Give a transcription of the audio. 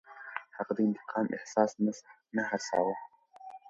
هغه د انتقام احساس نه هڅاوه.